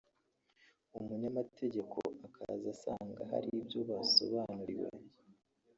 umunyamategeko akaza asanga hari ibyo basobanuriwe